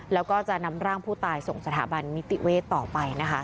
แล้วก็จะนำร่างผู้ตายส่งสถาบันนิติเวศต่อไปนะคะ